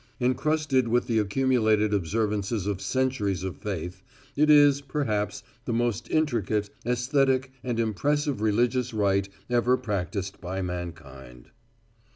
Encrusted with the accumulated observances of centuries of faith, it is, perhaps, the most intricate, aesthetic and impressive religious rite ever practiced by mankind.